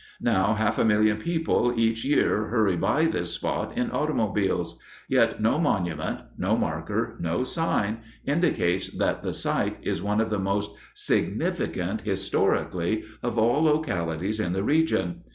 Now half a million people each year hurry by this spot in automobiles; yet no monument, no marker, no sign, indicates that the site is one of the most significant, historically, of all localities in the region.